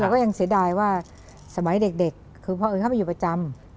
ก็สวยใดว่าสมัยเด็กผ่านอื่นเข้าไปอยู่ประจำ